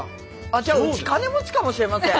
ああじゃあうち金持ちかもしれません。